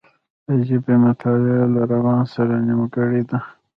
د ژبې مطالعه له روان سره نېمګړې ده